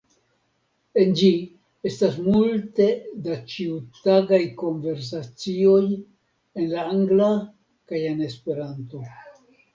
En ĝi, estas multe da ĉiutagaj konversacioj en la Angla kaj en Esperanto.